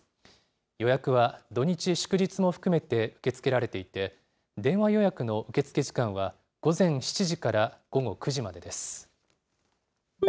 予約は土日祝日も含めて受け付けられていて、電話予約の受付時間は午前７時から午後９時までです。